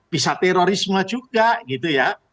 bisa terorisme juga gitu ya